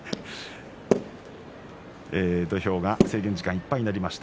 土俵が制限時間いっぱいです。